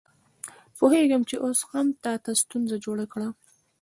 پوهېږم چې اوس مې هم تا ته ستونزه جوړه کړې.